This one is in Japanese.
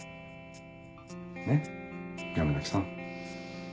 ねっ山崎さん。